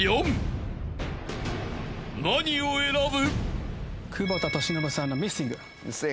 ［何を選ぶ？］